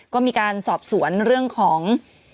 ก็มีการสอบสวนเรื่องของ